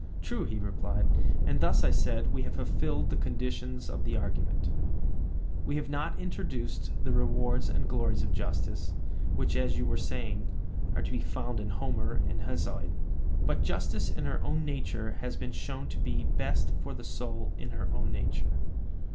True, he replied. And thus, I said, we have fulfilled the conditions of the argument; we have not introduced the rewards and glories of justice, which, as you were saying, are to be found in Homer and Hesiod; but justice in her own nature has been shown to be best for the soul in her own nature.